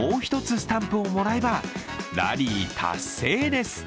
スタンプをもらえばラリー達成です。